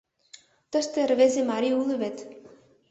Тыште рвезе марий уло вет...